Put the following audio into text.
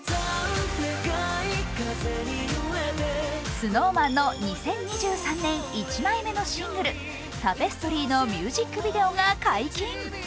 ＳｎｏｗＭａｎの２０２３年１枚目のシングル、「タペストリー」のミュージックビデオが解禁。